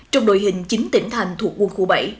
trong đội hình chín tỉnh thành thuộc quân khu bảy